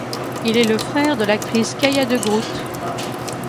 Il est le frère de l'actrice Caya de Groot.